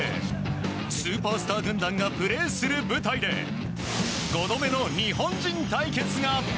スーパースター軍団がプレーする舞台で５度目の日本人対決が。